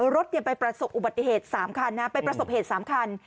รถไปประสบอุบัติเหตุ๓คันนะไปประสบเหตุ๓คัน